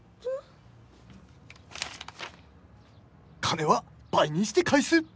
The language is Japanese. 「金は部にして返す！」。